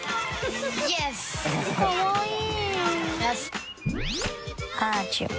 かわいい。